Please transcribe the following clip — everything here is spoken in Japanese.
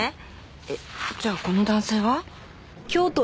えっじゃあこの男性は？